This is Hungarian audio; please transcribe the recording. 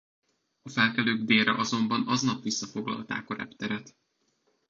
A felkelők délre azonban aznap visszafoglalták a repteret.